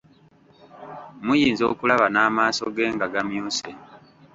Muyinza okulaba n'amaaso ge nga gamyuse.